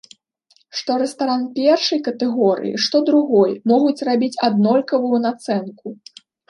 Што рэстаран першай катэгорыі, што другой могуць рабіць аднолькавую нацэнку.